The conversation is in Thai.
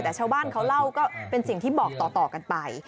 แต่ชาวบ้านเขาเล่าก็เป็นสิ่งที่บอกต่อกันไป